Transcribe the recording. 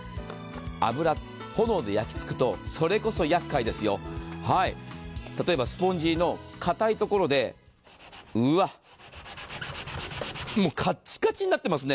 油、炎で焼きつくとそれこそ厄介ですよ、例えばスポンジの固いところでうわっ、もうカッチカチになってますね。